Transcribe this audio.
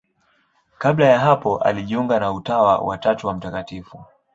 Kabla ya hapo alijiunga na Utawa wa Tatu wa Mt.